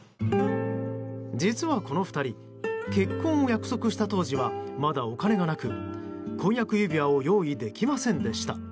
実はこの２人結婚を約束した当時はまだお金がなく、婚約指輪を用意できませんでした。